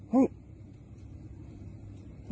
เฮ้ย